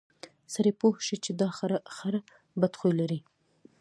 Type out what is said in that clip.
سړي پوه شو چې دا خر بد خوی لري.